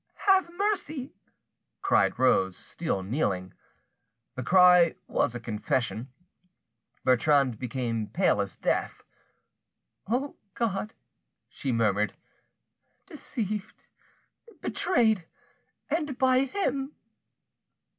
"Have mercy!" cried Rose, still kneeling. The cry was a confession. Bertrande became pate as death. "O God!" she murmured, "deceived, betrayed—and by him!"